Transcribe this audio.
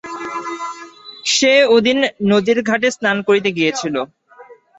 সে-ও সেদিন নদীর ঘাটে স্নান করিতে গিয়েছিল।